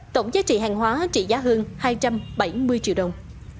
tổng giá trị hàng hóa trị giá hơn hai trăm bảy mươi triệu đồng